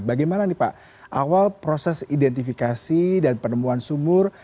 bagaimana nih pak awal proses identifikasi dan penemuan sumur